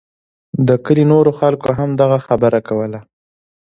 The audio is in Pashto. د کلي نورو خلکو هم دغه خبره کوله.